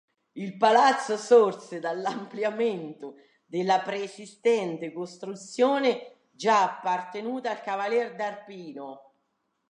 Il palazzo sorse dall’ampliamento della preesistente costruzione già appartenuta al Cavalier d’Arpino.